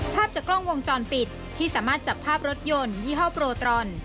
ภาพจากกล้องวงจรปิดที่สามารถจับภาพรถยนต์ยี่ห้อโปรตรอน